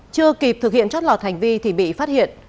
chưa kịp thực hiện trót lọt hành vi thì bị phát hiện